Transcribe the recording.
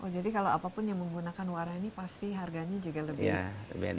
jadi kalau apapun yang menggunakan warna ini pasti harganya juga lebih murah